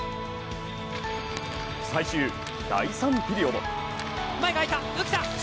最終、第３ピリオド。